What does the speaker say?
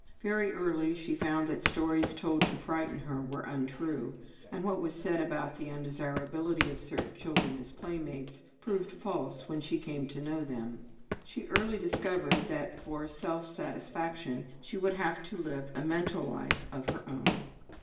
Very early she found that stories told to frighten her were untrue, and what was said about the undesirability of certain children as playmates proved false when she came to know them. She early discovered that for self satisfaction she would have to live a mental life of her own.